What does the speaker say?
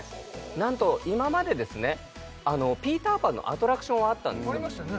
なんと今までですねピーターパンのアトラクションはあったんですありましたよね